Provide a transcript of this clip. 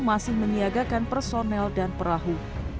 masih menyiagakan personel dan perahu